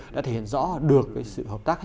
đã thể hiện rõ được sự hợp tác